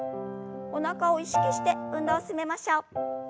おなかを意識して運動を進めましょう。